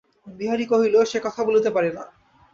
বিহারী কহিল, সে কথা বলিতে পারি না।